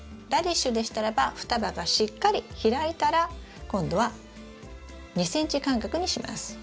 ラディッシュでしたらば双葉がしっかり開いたら今度は２ｃｍ間隔にします。